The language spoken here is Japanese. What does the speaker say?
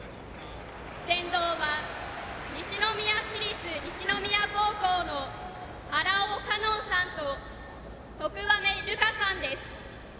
先導は西宮市立西宮高校の荒尾佳音さんと徳和目瑠夏さんです。